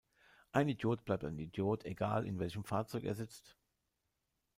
Ein Idiot bleibt ein Idiot, egal in welchem Fahrzeug er sitzt.